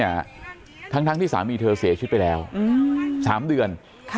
ทั้งที่สามีเธอเสียชีวิตไปแล้ว๓เดือน